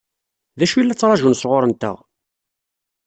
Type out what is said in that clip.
D acu i la ttṛaǧun sɣur-nteɣ?